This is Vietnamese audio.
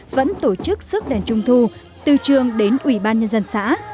vẫn tổ chức sức đèn trung thu từ trường đến ủy ban nhân dân xã